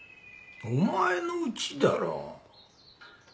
お前のうちだろう。